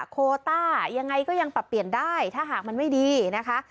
โคต้ายังไงก็ยังปรับเปลี่ยนได้ถ้าหากมันไม่ดีนะคะ